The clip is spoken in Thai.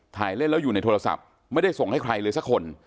ถ่ายเล่นแล้วอยู่ในโทรศัพท์ไม่ได้ส่งให้ใครเลยสักคน